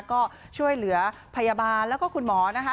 ก็ช่วยเหลือพยาบาลแล้วก็คุณหมอนะคะ